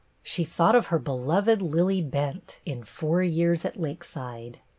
She thought of her beloved Lillie Bent in "Four Years at Lakeside."